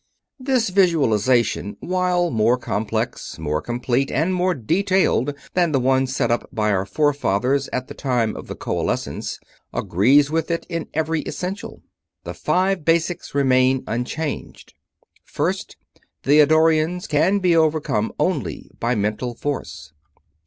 "This visualization, while more complex, more complete, and more detailed than the one set up by our forefathers at the time of the Coalescence, agrees with it in every essential. The five basics remain unchanged. First: the Eddorians can be overcome only by mental force.